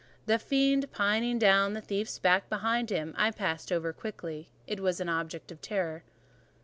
The fiend pinning down the thief's pack behind him, I passed over quickly: it was an object of terror.